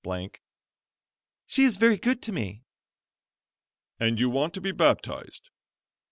She is very good to me." "And you want to be baptized."